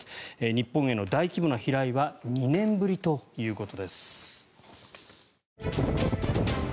日本への大規模な飛来は２年ぶりということです。